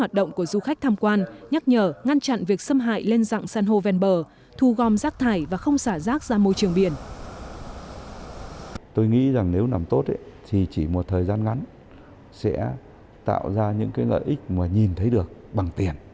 hoạt động của du khách tham quan nhắc nhở ngăn chặn việc xâm hại lên dạng san hô ven bờ thu gom rác thải và không xả rác ra môi trường biển